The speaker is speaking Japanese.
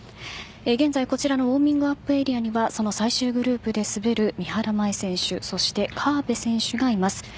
現在、こちらのウォーミングアップエリアには最終グループで滑る三原舞依選手そして河辺選手がいます。